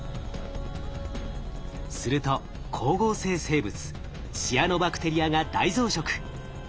すると光合成生物シアノバクテリアが大増殖。